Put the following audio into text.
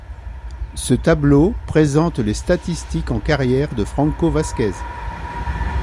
Ce tableau présente les statistiques en carrière de Franco Vázquez.